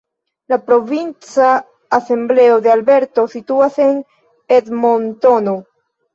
La provinca asembleo de Alberto situas en Edmontono.